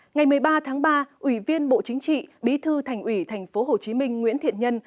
ngày một mươi ba tháng ba ủy viên bộ chính trị bí thư thành ủy tp hcm nguyễn thiện nhân